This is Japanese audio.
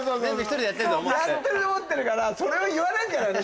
やってると思ってるからそれを言われるからね